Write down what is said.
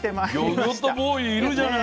魚魚っとボーイいるじゃない。